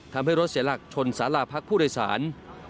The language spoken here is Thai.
ทำให้รถเสียหลักชนสาราพักผู้โดยสาร